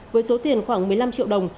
với số tiền khoảng một mươi năm triệu đồng